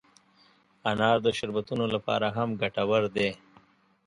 انار د شربتونو لپاره هم ګټور دی.